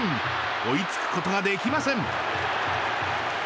追いつくことができません。